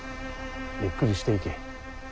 ゆっくりしていけ。